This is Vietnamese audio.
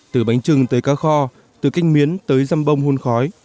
từ bánh trưng tới cá kho từ canh miến tới răm bông hun khói